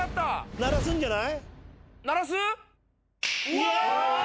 鳴らすんじゃない？